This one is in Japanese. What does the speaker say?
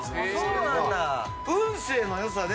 そうなんだ！